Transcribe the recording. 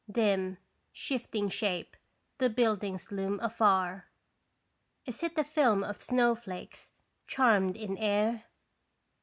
Dim, shifting shape, the buildings loom afar, Is it a film of snowflakes charmed in air?